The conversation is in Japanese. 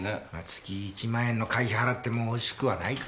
月１万円の会費払っても惜しくはないかぁ。